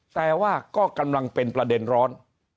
แต่ว่าก็กำลังเป็นประเด็นร้อน